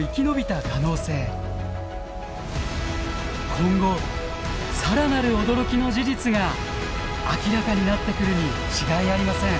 今後更なる驚きの事実が明らかになってくるに違いありません。